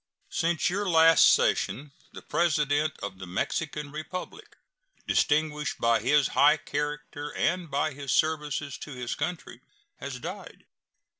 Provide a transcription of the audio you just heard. Since your last session the President of the Mexican Republic, distinguished by his high character and by his services to his country, has died.